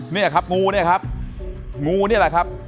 นี่ครับงูนี่ครับงูนี่อะไรครับ